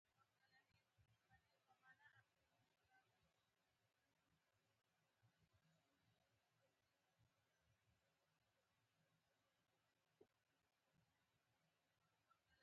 د ملا بابړ مدرس لمسی و.